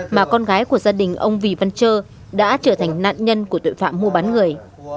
mà con gái của gia đình ông vì văn trơ đã trở thành nạn nhân của tội phạm mua bán người